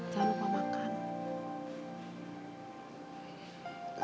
jangan lupa makan